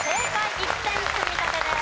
１点積み立てです。